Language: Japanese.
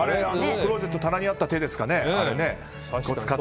クローゼットにあった手ですかね。